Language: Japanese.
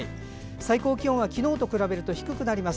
最高気温は昨日と比べると低くなります。